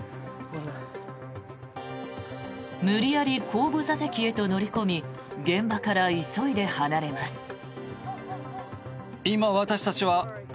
無理やり後部座席へと乗り込み現場から急いで離れます。